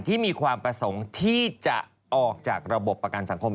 ที่มีความประสงค์ที่จะออกจากระบบประกันสังคม